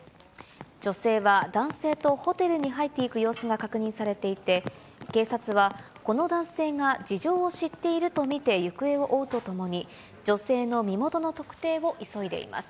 女性は男性とホテルに入っていく様子が確認されていて、警察は、この男性が事情を知っていると見て行方を追うとともに、女性の身